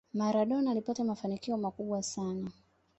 maradona alipata mafanikio makubwa sana